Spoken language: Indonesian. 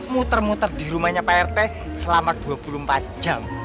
muter muter di rumahnya prt selama dua puluh empat jam